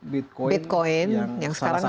bitcoin yang sekarang